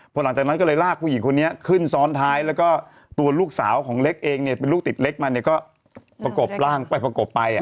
พอหลังจากนั้นก็เลยลากผู้หญิงคนนี้ขึ้นซ้อนท้ายแล้วก็ตัวลูกสาวของเล็กเองเนี่ยเป็นลูกติดเล็กมาเนี่ยก็ประกบร่างไปประกบไป